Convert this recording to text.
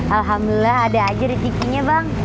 alhamdulillah ada aja rezekinya bang